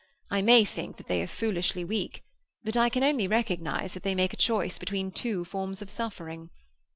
I may think that they are foolishly weak, but I can only recognize that they make a choice between two forms of suffering.